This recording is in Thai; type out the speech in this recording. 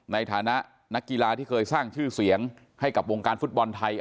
ในฐานะนักกีฬาที่เคยสร้างชื่อเสียงให้กับวงการฟุตบอลไทย